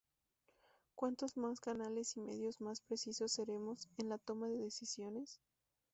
Cuantos más canales y medios más precisos seremos en la toma de decisiones.